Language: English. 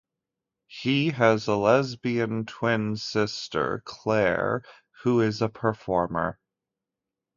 He has a lesbian twin sister, Clare, who is a performer.